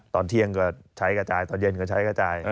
ตอนเที่ยงก็ใช้กระจายตอนเย็นก็ใช้กระจาย